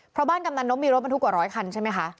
เพราะบ้านกำนันนกมีรถบรรทุกกว่าร้อยคันใช่ไหมคะ